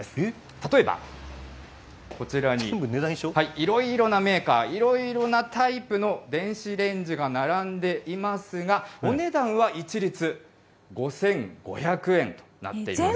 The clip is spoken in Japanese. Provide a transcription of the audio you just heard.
例えば、こちらにいろいろなメーカー、いろいろなタイプの電子レンジが並んでいますが、お値段は一律５５００円となっています。